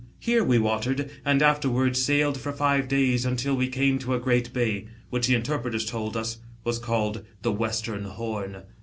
Here we watered, and afterwards sailed for five days until we came to a great bay, which the interpreters told us, was called the Western Horn.